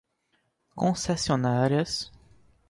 concessionárias